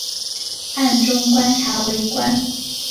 暗中观察围观